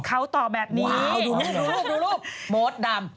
เขาต่อแบบนี้ดูรูปโมสดำ